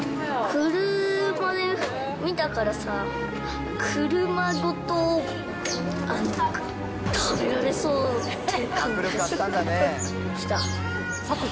車で見たからさ、車ごと食べられそうって感じがした。